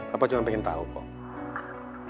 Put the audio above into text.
bapak cuma pengen tahu kok